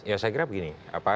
ya saya kira begini